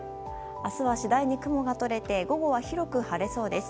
明日は次第に雲がとれて午後は広く晴れそうです。